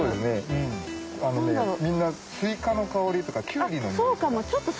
みんなスイカの香りとかキュウリのにおいとか。